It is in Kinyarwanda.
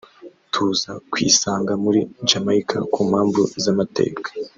tuza kwisanga muri Jamaica ku mpamvu z'amateka